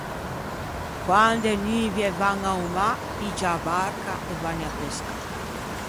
Quande e nuvie van a-o mâ, piggia a barca e vanni à pescâ.